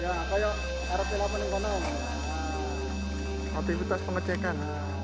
ya kayak arah ke delapan yang kondisi aktivitas pengecekan